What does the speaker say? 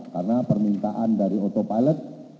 karena permintaan dari otopilot